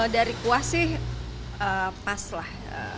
dari kuah sih pas lah